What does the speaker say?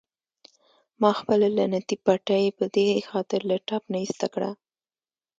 ما خپله لعنتي پټۍ په دې خاطر له ټپ نه ایسته کړه.